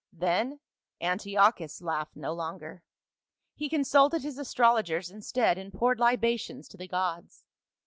Then Antiochus laughed no longer ; he con sulted his astrologers instead, and poured libations to the gods.